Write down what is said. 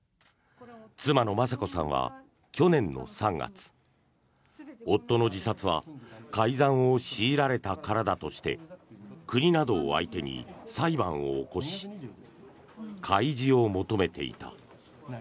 妻の雅子さんは去年の３月夫の自殺は改ざんを強いられたからだとして国などを相手に裁判を起こし開示を求めていた。